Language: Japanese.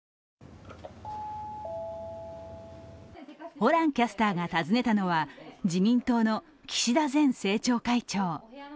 ホランキャスターが訪ねたのは自民党の岸田前政調会長。